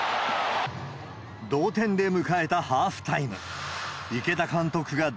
同点で迎えたハーフタイム。